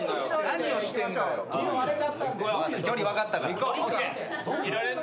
距離分かったから。